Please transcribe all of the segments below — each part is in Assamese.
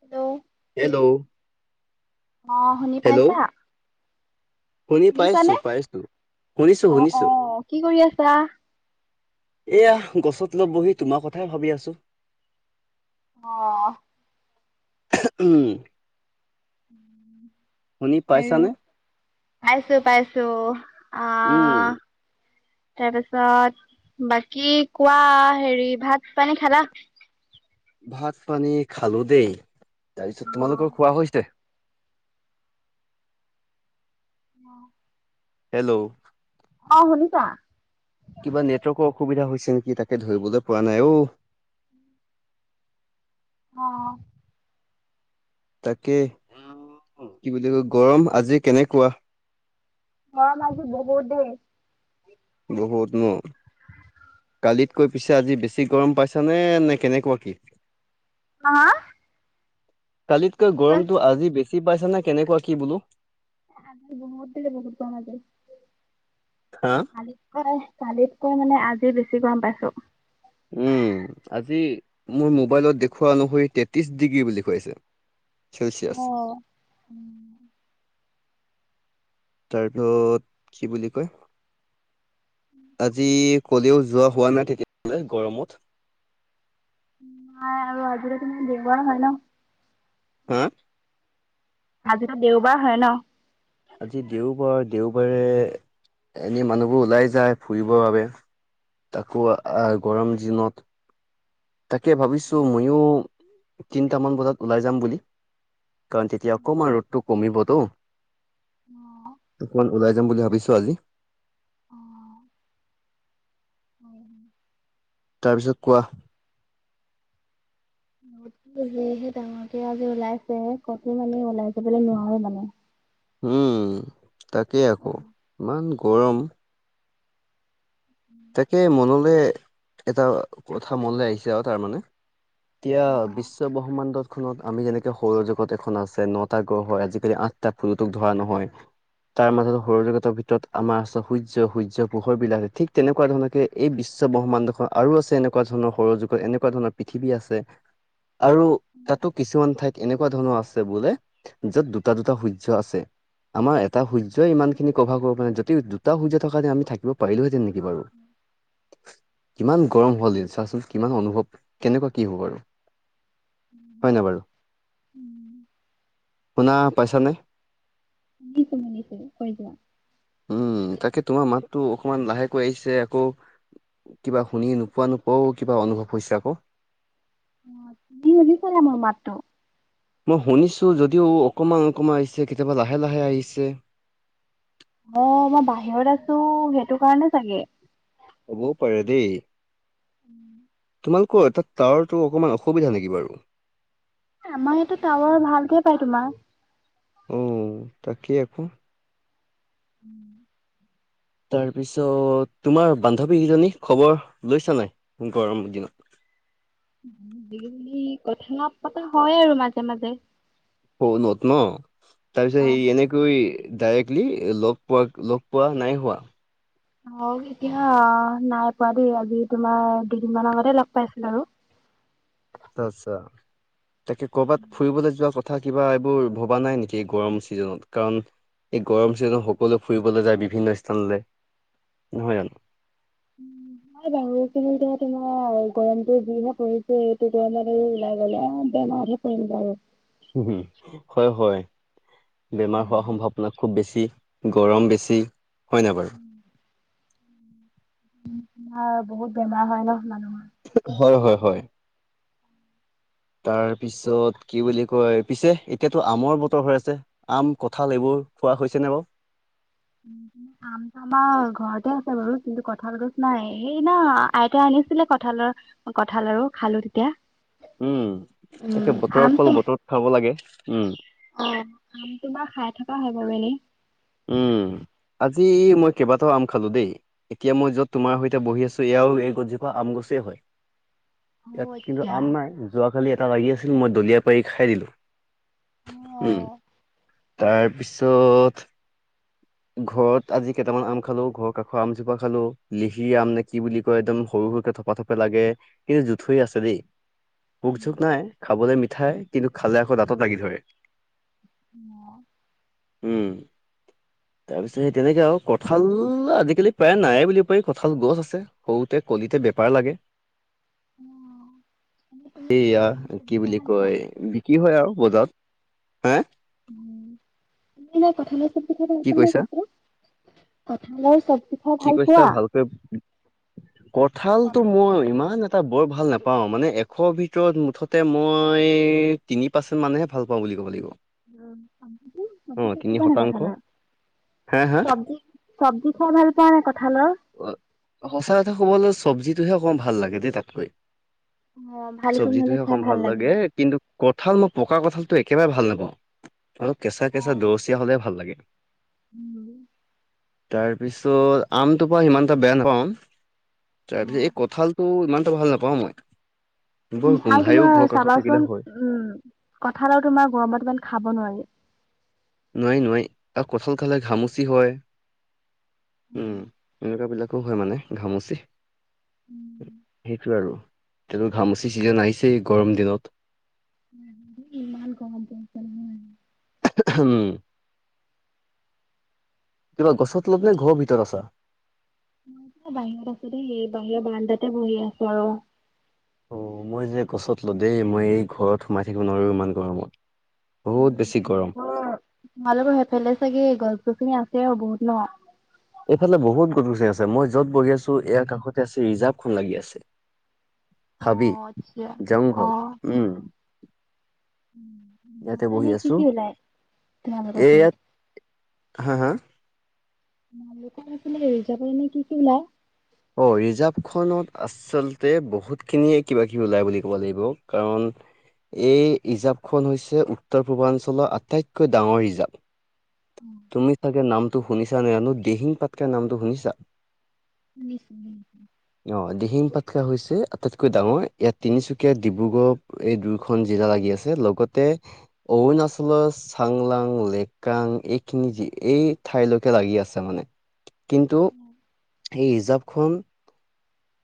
হেল্ল'। হেল্ল'। অ' শুনি হেল্ল' পাইছা? শুনি পাইছো শুনিছানে? পাইছো শুনিছো অ', শুনিছো। অ', কি কৰি আছা? এয়া গছত ল'বহি তোমাৰ কথাই ভাবি আছো। অ'। উম। শুনি [unintelligible] আৰু পাইছানে পাইছো পাইছো উম আহ। তাৰ পিছত বাকী কোৱা হেৰি ভাত পানী খালা। ভাত পানী খালো দেই তাৰপিছত অ', তোমালোকৰ খোৱা হৈছে। অ'। হেল্ল'। অ' শুনিছা। কিবা নেটৱৰ্কৰ অসুবিধা হৈছে নেকি তাকে ধৰিবলৈ পৰা নাই অ'। অ'। তাকে কি বুলি কয় গৰম আজি কেনেকুৱা? গৰম আজি বহুত দেই। বহুত ন। কালিত কৈ পিছে আজি বেছি গৰম পাইছা নে নে কেনেকুৱা কি? হ কালিতকৈ গৰমটো আজি বেছি পাইছ নে কেনেকুৱা কি বোলো। [unintelligible] হা কালিতকৈ কালিতকৈ মানে আজি বেছি গৰম পাইছো। উম আজি মোৰ মোবাইলত দেখুওৱা অনুসৰি তেত্ৰিশ ডিগ্ৰী বুলি কৈছে। অ'। তাৰপিছত কি বুলি কয় আজি ক'লেও যোৱা হোৱা নাই তেতিয়াহ'লে গৰমত। নাই আৰু আজিৰে তুমি [unintelligible] হা আজিটো দেওবাৰ হয় ন। আজি দেওবাৰ দেওবাৰে এনে মানুহবোৰ ওলাই যায় ফুৰিবৰ বাবে। তাকো গৰম দিনত। তাকে ভাবিছোঁ ময়ো তিনিটামান বজাত ওলাই যাম বুলি। কাৰণ তেতিয়া অকণমান ৰ'দটো কমিবতো অ'। অকমান ওলাই যাম বুলি ভাবিছো আজি। অ'। [inaudible] তাৰপিছত কোৱা। সেই ডাঙৰকে আজি ওলাইছে কতো মানে ওলাই যাবলৈ নোৱাৰে মানে। উম তাকেই আকৌ ইমান গৰম উম। তাকে মনলৈ এটা কথা মনলৈ আহিছে আৰু তাৰমানে। এতিয়া অ', বিশ্বব্ৰহ্মাণ্ডত খনত আমি যেনেকে সৌৰ জগত এখন আছে নটা গ্ৰহ হয় আজিকালি আঠটা প্লুটোক ধৰা নহয়। তাৰ মাজত সৰু জগতৰ ভিতৰত আমাৰ আছে সূৰ্য সূৰ্য পোহৰ বিলাক ঠিক তেনেকুৱা ধৰণে এই বিশ্ব ব্ৰহ্মাণ্ডখন আৰু আছে এনেকুৱা ধৰণৰ সৌৰ যুগত এনেকুৱা ধৰণ পৃথিৱী আছে। আৰু তাতো কিছুমান ঠাইত এনেকুৱা ধৰণৰ আছে বোলে য'ত দুটা দুটা সূৰ্য আছে। আমাৰ এটা সূৰ্যই ইমান খিনি কভাৰ কৰিব পাৰা নাই যদি দুটা সূ্ৰ্য থকা হেতেন আমি থাকিব পাৰিলোহেতেন নেকি? বাৰু উম। কিমান গৰম হল দিন চাচোন কিমান অনুভৱ কেনেকুৱা কি হ'ব বাৰু। হয়নে বাৰু, শুনা পাইছা নে। শুনিছো শুনিছো, কয় যোৱা। উম' তাকে তোমাৰ মাততো অকমান লাহেকৈ আহিছে আকৌ। কিবা শুনি নোপোৱা নোপোৱাও কিবা অনুভৱ হৈছে আকৌ। উ শুনিছা নে মোৰ মাতটো। মই শুনিছো যদিও অকমান অকমান আহিছে কেতিয়াবা লাহে লাহে আহিছে। অ' মই বাহিৰত আছো সেইটো কাৰণে চাগে। হ'বও পাৰে দেই। উম। তোমালোকৰ তাত টাৱাৰটো অকমান অসুবিধা নেকি বাৰু। আমাৰ এইটো টাৱাৰ ভালকে পাই তোমাৰ। অ' তাকে আকৌ। উম। তাৰপিছত তোমাৰ বান্ধৱী কেইজনী, খবৰ লৈছোঁ নে নাই গৰম দিনত। কথা পতা হয় আৰু মাজে মাজে। ফোনত ন, তাৰপিছত অ। হেৰি এনে গৈ ডাইৰেক্টলি লগ পোৱা লগ পোৱা নাই হোৱা। অ' এতিয়া নাই পোৱা দেই আজি তোমাৰ দুদিনমান আগতে লগ পাইছিলো আৰু। আচ্ছা আচ্ছা, তাকে কৰ'বাত ফুৰিবলৈ যোৱা কথ কিবা এইবোৰ ভবা নাই নেকি গৰম চিজনত কাৰণ এই গৰম চিজনত সকলোৱে ফুৰিবলৈ যায় বিভিন্ন স্থানলৈ, নহয় জানো। নাই বাৰু কিন্তু এতিয়া তোমাৰ গৰমটো যি পৰিছে এইটো গৰমত আৰু ওলাই গ'লে বেমাৰ হব [unintelligible] উম' হম' হয় হয়, বেমাৰ হোৱা সম্ভাৱনা খুব বেছি। গৰম বেছি, হয় ন বাৰু। অ' বহুত বেমাৰ হয় ন মানুহৰ। হয় হয় হয়। তাৰ পিছত কি বুলি কয় পিছে এতিয়াতো আমৰ বতৰ হৈ আছে। আম, কঁঠাল এইবোৰ খোৱা হৈছেনে বাৰু। আম আমাৰ ঘৰতে আছে বাৰু কিন্তু কঁঠাল গছ নাই সেই ন আইতাই আনিছিলে কঁঠালৰ কঁঠাল আৰু খালো তেতিয়া। উম, তাকে উম। বতৰৰ আম ফল তো বতৰত খাব লাগে, উম। অ' আম তোমাৰ খাই থকা হয় বাৰু এনে। উম, আজি মই কেইবাটাও আম খালো দেই। এতিয়া মই য'ত তোমাৰ সৈতে বহি আছো এয়াও এই গছজোপা আম গছেই হয়। অ ইয়াত কিন্তু আচ্ছা। আম নাই যোৱাকালি এটা লাগি আছিল মই দলিয়াই পাৰি খাই দিলোঁ। অ। উম, তাৰ পিছত ঘৰত আজি কেইটামান আম খালোঁ, ঘৰৰ কাষৰ আমজোপা খালোঁ, লিহিৰি আম নে কি বুলি কয় একদম সৰু, সৰুকে থপা থপ লাগে কিন্তু জুথৰি হৈ আছে দেই। পোক উম। চোক নাই, খাবলে মিঠাই কিন্তু খালে আকৌ দাঁতত লাগি ধৰে। অ'। উম। তাৰপিছত সেই তেনেকৈ আৰু কঁঠাল আজিকালি প্ৰায় নায়েই বুলিব পাৰি কঁঠাল গছ আছে। সৰুতে কলিতে বেপাৰ লাগে। তুমি এনে কঁঠালৰ এইয়া চব্জি কি খাই বুলি ভাল পোৱা কয় কি হয় আৰু বজাৰত, হা? [inaudible] [unintelligible] অ', কঁঠালৰ কি কৈছা? চবজি খাই কি ভাল কৈছা পোৱা? ভালকৈ কঁঠালটো মই ইমান এ টা বৰ ভাল নাপাওঁ, মানে এশ ভিতৰত মুঠতে মই তিনি পাৰ্চেণ্ট মানহে ভালপাওঁ বুলি ক'ব লাগিব। [inaudible] চবজি অ খাই ভালপোৱা তিনি নাই শতাংশ কঁঠালৰ! হা হা চবজি, চবজি খাই ভালপোৱা নে নাই কঁঠালৰ? অ, সঁচা কথা ক'বলৈ চবজিটোহে অকণমান ভাল লাগে দেই তাতকৈ। অ ভালকে হ'লে চবজিটোহে খাই অকন ভাল লাগে। কিন্তু কঁঠাল মই পকা কঁঠালটো একেবাৰে ভাল নাপাওঁ আৰু কেঁচা, অ কেঁচা দৰচীয়া হ'লে ভাল লাগে। তাৰপিছত আমতো পা ইমান এটা বেয়া নাপাওঁ! [unintelligible] এই কঁঠালটো ইমান এটা ভাল নাপাওঁ মই। বৰ গোন্ধাইও তোমাৰ ঘৰ কাষত চাবাচোন থাকিলে হয়। উম, কঁঠাল আৰু তোমাৰ গৰম দিনত খাব নোৱাৰি। নোৱাৰি, নোৱাৰি। আও, কঁঠাল খালে ঘামুচি হয়, উম, এনেকুৱাবিলাক। খুব হয়, মানে ঘামুচি। সেইটোয়ে আৰু। এতিয়াতো ঘামুচি ছিজন আহিছেই গৰম দিনত। [inaudible] ইমান গৰম পৰিছে নহয়! হুম। তাৰপা গছত তলত নে, ঘৰৰ ভিতৰত আছা? এ, বাহিৰত আছোঁ দেই [unintelligible] বাহিৰৰ বাৰান্দাতে বহি আছোঁ আৰু। অ', মই যে গছত তলতেই, মই এই ঘৰত সোমাই থাকিব নোৱাৰো ইমান গৰমত। বহুত উম, বেছি গৰম তোমালোকৰ, তোমালোকৰ সেফালে চাগে গছ গছনি আছে আৰু বহুত ন! এইফালে বহুত গছ গছনি আছে, মই য'ত বহি আছোঁ ইয়াৰ কাষতে আছে [unintelligible] লাগি আছে। অ হাবি, আচ্ছা। জংঘল, অ উম। ইয়াতে বহি [unintelligible] কি, আছো কি ওলাই তোমালোকৰ এ ফালে? ইয়াত হা' হা'? [unintelligible] ৰিৰ্জাভত এনে কি, কি ওলায়? অ', ৰিজাৰ্ভখনত আচ আচলতে বহুতখিনিয়ে কিবা কিবি ওলাই বুলি ক'ব লাগিব কাৰণ এই ৰিৰ্জাভখন হৈছে উত্তৰ পূৰ্বাঞ্চলৰ আটাইতকৈ ডাঙৰ ৰিৰ্জাভ। [inaudible] তুমি চাগে নামটো শুনিছা নে [unintelligible] দিহিং পাটকাই নামটো শুনিছা? শুনিছোঁ [unintelligible] অ', দিহিং পাটকাই হৈছে আটাইতকৈ ডাঙৰ ইয়াত তিনিচুকীয়া ডিব্ৰুগড় এই দুয়োখন জিলা লাগি আছে লগতে অৰুনাচলৰ চাংলাং, লেকাং এই খিনি যি এই ঠাইলৈকে লাগি আছে মানে। কিন্তু এই ৰিৰ্জাভ খন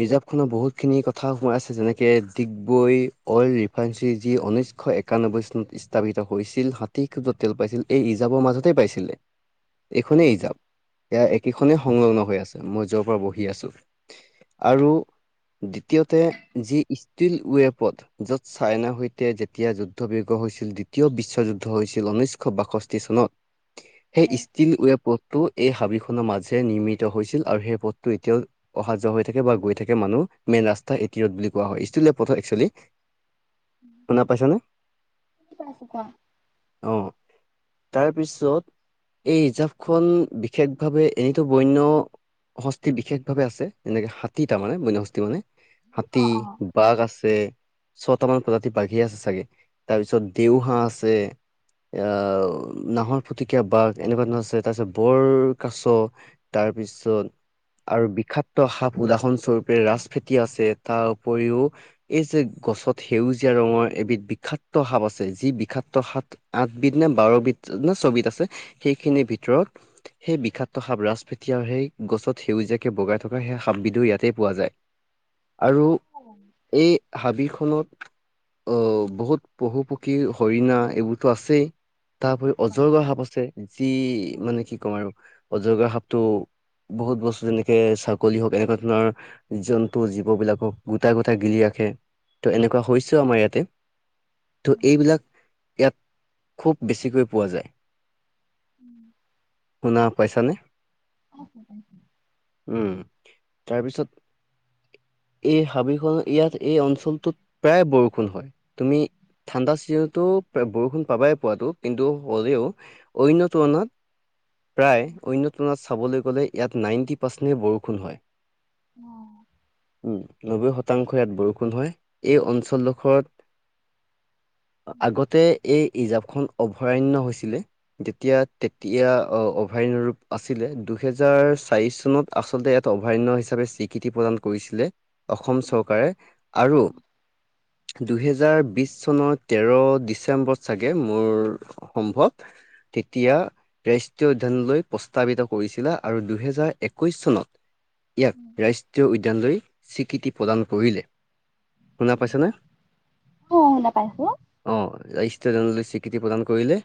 ৰিজাৰ্ভ খনত বহুতখিনি কথা সোমাই আছে, যেনেকে ডিগবৈ অইল ৰিফাইনৰী যি উনৈছশ এক একানব্বৈ চনত স্থাপিত হৈছিল, হাতী খুদত তেল পাইছিল এই ৰিৰ্জাভৰ মাজতে পাইছিলে। এইখনেই ৰিৰ্জাভ, এয়া একেখনেই সংলগ্ন হৈ আছে মই যৰ পৰা বহি আছো। হয়, আৰু দ্বিতীয়তে, যি ষ্টীল ৱেপত য'ত চাইনা সৈতে যেতিয়া যুদ্ধ বিৰ্গ হৈছিল, দ্বিতীয় বিশ্বযুদ্ধ হৈছিল ঊনৈছশ বাষষ্ঠি চনত সেই হয়। ষ্টিল ৱেপত টো এই হাবিখনৰ মাজে নিৰ্মিত হৈছিল আৰু সেই পথটো এতিয়াও অহা যোৱা হৈ থাকে বা গৈ থাকে মানুহ মেইন ৰাস্তা এটি ৰ'দ বুলি কোৱা হয়, ষ্টিল ৱেপ পথত একচুৱেলি শুনা পাইছা নে? বুজি পাইছোঁ কোৱা। অ'। তাৰ পিছত এই ৰিৰ্জাভখন বিশেষভাৱে, [unintelligible] বন্য হস্তি বিশেষভাৱে আছে। এনেকে হাতী তাৰ মানে, বন্যহস্তী মানে হাতী অ', অ'। বাঘ আছে, ছয়টামান প্ৰজাতিৰ বাঘেই আছে চাগে? তাৰপিছত, দেওহাঁহ আছে এয়া নাহৰ ফুটকীয়া বাঘ, এনেকুৱা ধৰণৰ আছে তাৰ পিছত বৰ কাছ তাৰপিছত আৰু বিখাত সাপ উদাহৰণ স্বৰূপে ৰাজ ফেটি আছে, তাৰ উপৰিও এই যে গছত সেউজীয়া ৰঙৰ এবিধ বিষাক্ত সাপ আছে, যি বিষাক্ত সাপ আঠবিধ নে, বাৰবিধ, নে ছবিধ আছে সেইখিনিৰ ভিতৰত সেই বিষাক্ত সাপ ৰাজ ফেটি আৰু সেই গছত সেউজীয়াকে বগাই থাক থকা সেই সাপবিধো ইয়াতে পোৱা যায়, আৰু অ'। এই হাবিখনত অ', বহুত পশু-পক্ষী হৰিণা এইবোৰতো আছেই, তাৰ উপৰি অজগৰ সাপ আছে। যি মানে কি ক'ম আৰু অজগৰ সাপটো বহুত বস্তু যেনেকে চ কলি হওক এনেকুৱা ধৰণৰ জন্তু, জীৱ বিলাকক গোটাই গোটাই গিলি ৰাখে। তো এনেকুৱা হৈ হৈছেও আমাৰ ইয়াতে। ত' এইবিলাক ইয়াত খুব বেছিকৈ পোৱা যায়। [inaudible] শুনা পাইচানে? [inaudible] উম। তাৰপিছত এই হাবিখনত ইয়াত এই অঞ্চলটোত প্ৰায় বৰষুণ হয়, তুমি ঠাণ্ডা ছিজনতো প্ৰায় বৰষুণ পাবাই পোৱাতো, কিন্তু হ'লেও অন্যৰ তুলনাত প্ৰায় অন্য তুলনাত চাবলৈ গ'লে ইয়াত, নাইণ্টি পাৰ্চেণ্টে বৰষুণ হয়। অ'। উম, নব্বৈ শতাংশ ইয়াত বৰষুণ হয়। এই অঞ্চলডোখৰ আগতে এই [unintelligible] জাপখন অভয়াৰণ্য হৈছিলে। তেতিয়া-তেতিয়া অভয়াৰণ্য ৰূপ আছিলে, দুহেজাৰ চাৰিশ চনত আ আচলতে এটা অভয়াৰণ্য হিচাপে স্বীকৃতি প্ৰদান কৰিছিলে। অসম চৰকাৰে, আৰু দুহেজাৰ বিশ চনৰ তেৰ' ডিচেম্বৰ চাগে, মোৰ সম্ভৱ? তেতিয়া ৰাষ্ট্ৰীয় উদ্যানলৈ প্ৰস্তাৱিত কৰিছিলে, আৰু দুহেজাৰ একৈশ চনত ইয়াক ৰাষ্ট্ৰীয় উদ্যানলৈ স্বীকৃতি প্ৰদান কৰিলে, শুনা পাইছানে? অ অ শুনা পাইছোঁ। অ', ৰাষ্ট্ৰীয় উদ্যানলৈ স্বীকৃতি প্ৰদান কৰিলে,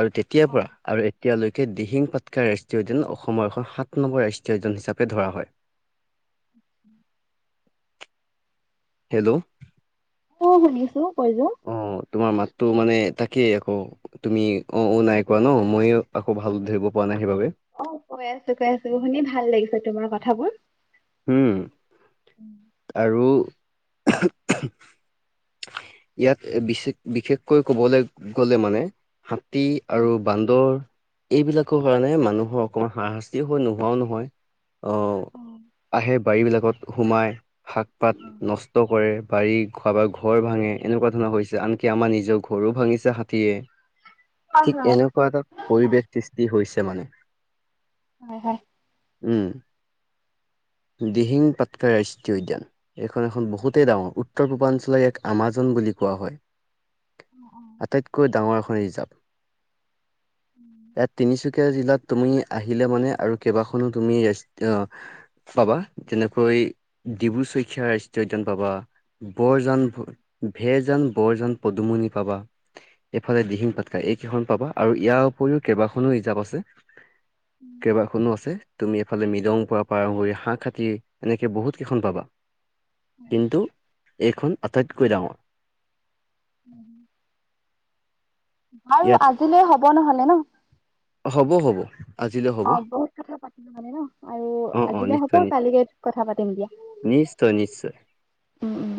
আৰু তেতিয়াৰ পৰা অ', আৰু এতিয়ালৈকে দিহিং পাটকাই ৰাষ্ট্ৰীয় উদ্যান, অসমৰ এখন সাত নম্বৰ ৰাষ্ট্ৰীয় উদ্যান হিচাপে ধৰা হয়। [inaudible] হেল্ল'। ত' শুনিছো কৈ যোৱা। অ' তোমাৰ মাতটো মানে তাকেই আকৌ। তুমি অ', অ' নাই কোৱা ন ময়ো আকৌ ভাল ধৰিব পৰা নাই সেইবাবে। অ' কৈ আছো কৈ আছো শুনি ভাল লাগিছে তোমাৰ কথাবোৰ। উম অ', আৰু ইয়াত বিশেষ বিশেষকৈ কবলৈ গলে মানে। হাতী আৰু বান্দৰ। এইবিলাকৰ কাৰণে মানুহৰ অকমান হাৰাশাস্তি হৈ নোহোৱাও নহয় আহ। অ'। আহে বাৰীবিলাকত সোমাই শাক পাত অ নষ্ট কৰে। বাৰী খাবাৰ ঘৰ ভাঙে এনেকুৱা ধৰণৰ হৈছে আনকি আমাৰ নিজৰ ঘৰো ভাঙিছে হাতীয়ে। হয় ঠিক হয়। এনেকুৱা এটা পৰিৱেশ সৃষ্টি হৈছে মানে। হয় হয়। উম। দিহিং পাটকাই ৰাষ্ট্ৰীয় উদ্যান। এইখন এখন বহুতেই ডাঙৰ উত্তৰ পূৰ্বাঞ্চলক এক আমাজন বুলি কোৱা হয়। আটাইতকৈ ডাঙৰ এখন ৰিজাৰ্ভ ইয়াত তিনিচুকীয়া জিলাত তুমি আহিলে মানে আৰু কেইবাখনো তুমি পাবা যেনেকৈ ডিব্ৰু ছৈখোৱা ৰাষ্ট্ৰীয় উদ্যান পাবা। বৰজান ভেৰজান যে বৰজন পদুমণি পাবা। এইফালে দিহিং পাটকা এইকেইখন পাবা আৰু ইয়াৰ উপৰিও কেইবাখনো হিজাপ আছে। কেইবাখনো আছে তুমি এফালে মৃদং পৰা [unintelligible] হাঁহ খাতি এনেকে বহুত কেইখন পাবা কিন্তু। এইখন আটাইতকৈ ডাঙৰ। উম। বাৰু ইয়াত আজিলৈ হব নহলে ন। হ'ব হ'ব। আজিলৈ হ'ব অ' বহুত কথা পাতিলো মানে ন আৰু অ অ আজিলৈ হব নিশ্চয় কালিকে কথা পাতিম দিয়া। নিশ্চয় নিশ্চয় নিশ্চয়। উম উম।